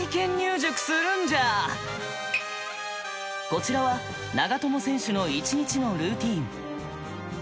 こちらは長友選手の１日のルーティン。